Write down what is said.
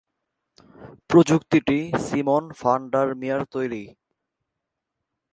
প্রযুক্তিটি Simon van der Meer তৈরি।